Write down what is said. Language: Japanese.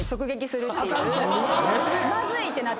まずい！ってなって。